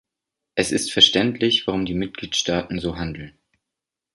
Es ist verständlich, warum die Mitgliedstaaten so handeln.